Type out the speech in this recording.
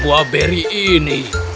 berapa buah beri ini